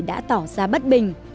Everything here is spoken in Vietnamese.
đã tỏ ra bất bình